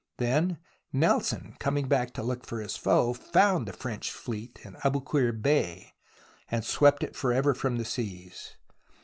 Then Nelson, coming back to look for his foe, found the French fleet in Aboukir Bay, and swept it for ever from the seas.